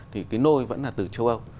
thì cái nôi vẫn là từ châu âu